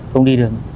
không đi được